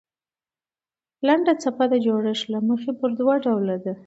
لنډه څپه د جوړښت له مخه پر دوه ډوله ده.